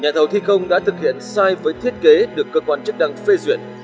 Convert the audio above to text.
nghe thầu thi công đã thực hiện sai với thiết kế được cơ quan chức đăng phê duyện